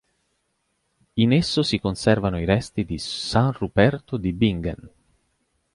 In esso si conservano i resti di San Ruperto di Bingen.